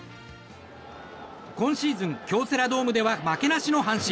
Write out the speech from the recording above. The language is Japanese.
今シーズン京セラドームでは負けなしの阪神。